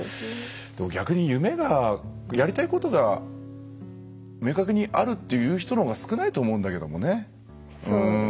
逆に夢がやりたいことが明確にあるっていう人のほうが少ないと思うんだけどもね。